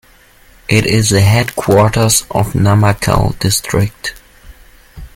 It is the headquarters of Namakkal district.